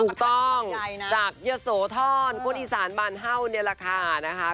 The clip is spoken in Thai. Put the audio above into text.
ถูกต้องจากเยษโสธรคุณอีสานบรรเภาเนี่ยแหละค่ะ